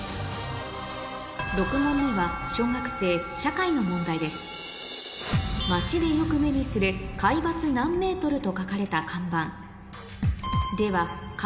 ６問目は小学生社会の問題です街でよく目にする海抜何メートルと書かれた看板どちらでしょう？